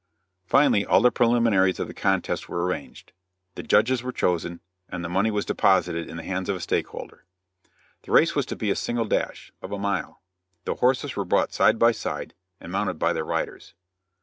Finally all the preliminaries of the contest were arranged. The judges were chosen and the money was deposited in the hands of a stake holder. The race was to be a single dash, of a mile. The horses were brought side by side and mounted by their riders.